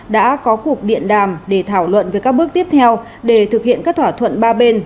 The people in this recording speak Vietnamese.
đã có cuộc điện đàm để thảo luận về các bước tiếp theo để thực hiện các thỏa thuận ba bên